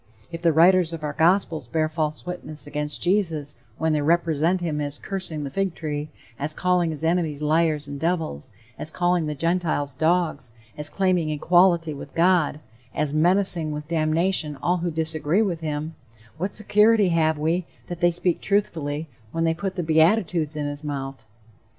If the writers of our gospels bear false witness against Jesus when they represent him as "cursing the fig tree," as calling his enemies liars and devils, as calling the Gentiles dogs, as claiming equality with God, as menacing with damnation all who disagree with him, what security have we that they speak truthfully when they put the beatitudes in his mouth?